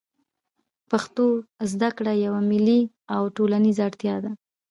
پښتو زده کړه یوه ملي او ټولنیزه اړتیا ده